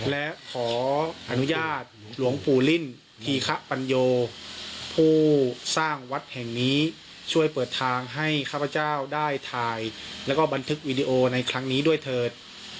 และขออนุญาตหลวงปู่ลิ่นธีคะปัญโยผู้สร้างวัดแห่งนี้ช่วยเปิดทางให้ข้าพเจ้าได้ถ่ายแล้วก็บันทึกวิดีโอในครั้งนี้ด้วยเถิด